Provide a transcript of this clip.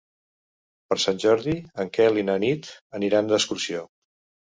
Per Sant Jordi en Quel i na Nit aniran d'excursió.